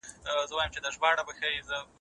اخلاق د انسان شخصيت جوړوي.